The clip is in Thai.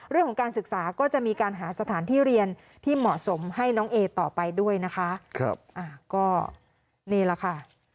เรื่องของการศึกษาก็จะมีการหาสถานที่เรียนที่เหมาะสมให้น้องเอต่อไปด้วยนะคะก็นี่แหละค่ะ